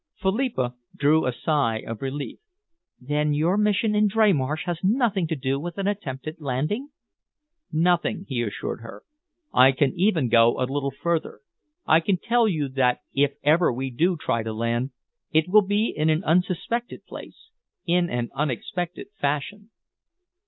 Philippa drew a sigh of relief. "Then your mission in Dreymarsh has nothing to do with an attempted landing?" "Nothing," he assured her. "I can even go a little further. I can tell you that if ever we do try to land, it will be in an unsuspected place, in an unexpected fashion."